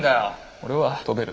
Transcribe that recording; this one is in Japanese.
俺は飛べる。